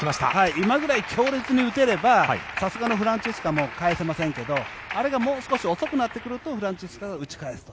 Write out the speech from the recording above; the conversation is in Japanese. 今ぐらい強烈に行ければさすがのフランツィスカも返せませんけどあれがもう少し遅くなってくるとフランツィスカが打ち返すと。